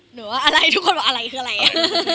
หนูว่าอะไรทุกคนบอกอะไรคืออะไรอ่ะ